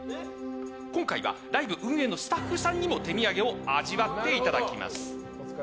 今回はライブ運営のスタッフさんにも手土産を味わっていただきます。